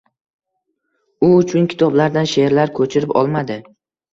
U uchun kitoblardan she’rlar ko‘chirib olmadi.